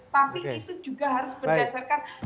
tapi itu juga harus berdasarkan